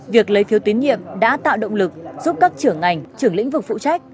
việc lấy phiếu tín nhiệm đã tạo động lực giúp các trưởng ngành trưởng lĩnh vực phụ trách